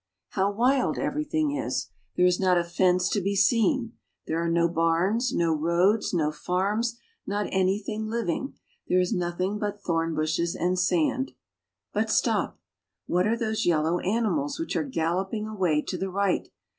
How wild everything is! There is not a fence to be seen. There are no barns, no roads, no farms, not any thing Hving. There is nothing but thorn bushes and sand. But stop. What are those yellow animals which are galloping away to the right?